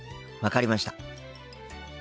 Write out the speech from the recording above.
分かりました。